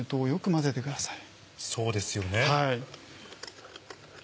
混ぜてください。